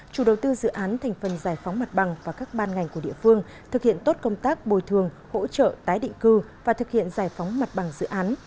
chủ đầu tư dự án thành phần giải phóng mặt bằng và các ban ngành của địa phương thực hiện tốt công tác bồi thường hỗ trợ tái định cư và thực hiện giải phóng mặt bằng dự án